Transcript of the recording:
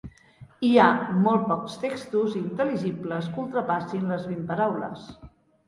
Hi ha molt pocs textos intel·ligibles que ultrapassin les vint paraules.